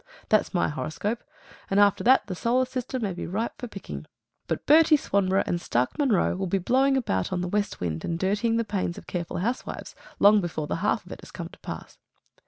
That's my horoscope, and after that the solar system may be ripe for picking. But Bertie Swanborough and Stark Munro will be blowing about on the west wind, and dirtying the panes of careful housewives long before the half of it has come to pass.